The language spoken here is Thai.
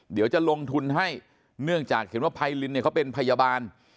เดี๋ยวจะลงทุนให้เนื่องจากเห็นว่าไพรินเนี่ยเขาเป็นพยาบาล